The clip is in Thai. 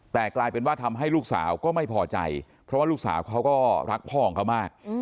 แต่กลายเป็นว่าทำให้ลูกสาวก็ไม่พอใจเพราะว่าลูกสาวเขาก็รักพ่อของเขามาก